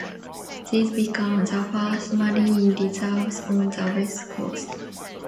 These became the first marine reserves on the West Coast.